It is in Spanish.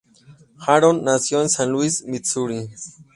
Harold nació en San Luis, Misuri.